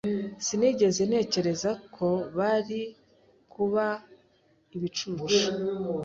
Sinigeze ntekereza ko bari kuba ibicucu.